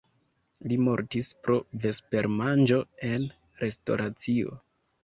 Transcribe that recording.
Li mortis pro vespermanĝo en restoracio.